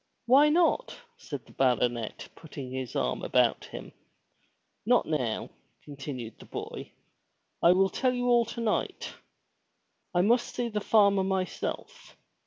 '' "Why not?" said the baronet putting his arm about him. "Not now," continued the boy. "I will tell you all tonight. I must see the farmer myself.